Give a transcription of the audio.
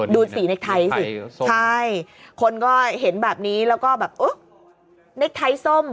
ดูสีในไทยสิใช่คนก็เห็นแบบนี้แล้วก็แบบเน็กไทยส้ม